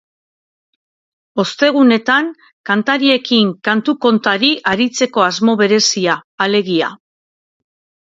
Ostegunetan kantariekin kantu-kontari aritzeko asmo berezia, alegia.